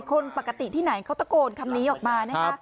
คนปกติที่ไหนเขาตะโกนคำนี้ออกมานะคะ